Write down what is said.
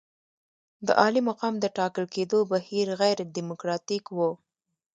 د عالي مقام د ټاکل کېدو بهیر غیر ډیموکراتیک وو.